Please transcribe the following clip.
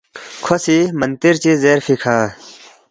کھو سی منتِر چی زیرفی کھہ